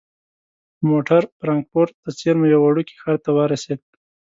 موټر فرانکفورت ته څیرمه یوه وړوکي ښار ته ورسید.